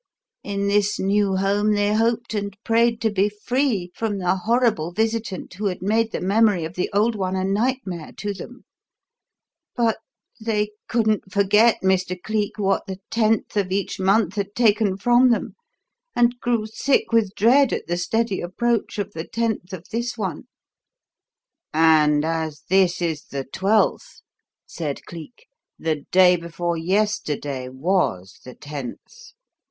In this new home they hoped and prayed to be free from the horrible visitant who had made the memory of the old one a nightmare to them, but they couldn't forget, Mr. Cleek, what the Tenth of each month had taken from them, and grew sick with dread at the steady approach of the Tenth of this one." "And as this is the Twelfth," said Cleek, "the day before yesterday was the Tenth.